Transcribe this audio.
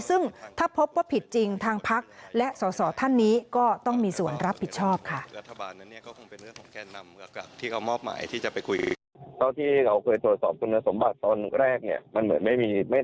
ซึ่งถ้าพบว่าผิดจริงทางภักดิ์และส่อท่านนี้